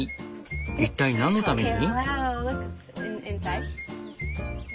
一体なんのために？